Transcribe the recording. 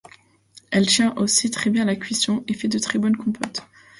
Elle tient aussi très bien à la cuisson et fait de très bonnes compotes.